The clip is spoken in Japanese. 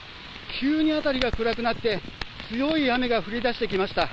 急に辺りが暗くなって強い雨が降りだしてきました。